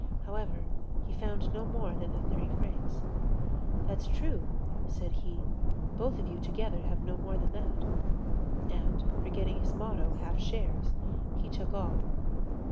However, he found no more than the thirty francs. "That's true," said he, "both of you together have no more than that." And, forgetting his motto: "half shares," he took all.